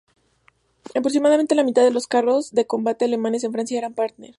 Aproximadamente la mitad de los carros de combate alemanes en Francia eran Panther.